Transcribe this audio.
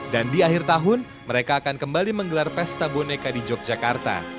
dan di akhir tahun mereka akan kembali menggelar festa boneka di yogyakarta